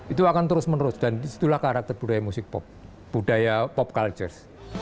itu akan terus menerus dan disitulah karakter budaya musik pop budaya pop culture